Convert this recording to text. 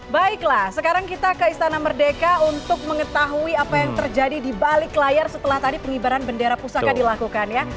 baiklah sekarang kita ke istana merdeka untuk mengetahui apa yang terjadi di balik layar setelah tadi pengibaran bendera pusaka dilakukan ya